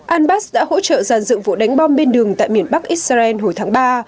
al bas đã hỗ trợ giàn dựng vụ đánh bom bên đường tại miền bắc israel hồi tháng ba